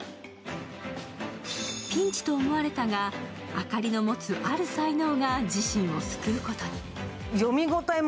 ピンチと思われたがあかりの持つ、ある才能が自身を救うことに。